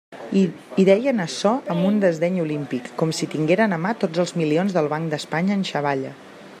I deien açò amb un desdeny olímpic, com si tingueren a mà tots els milions del Banc d'Espanya en xavalla.